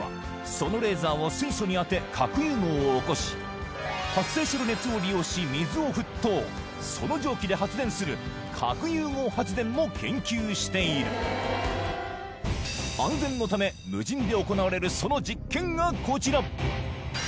そのレーザーを水素にあて核融合を起こし発生する熱を利用し水を沸騰その蒸気で発電する核融合発電も研究している安全のため無人で行われるその実験がこちら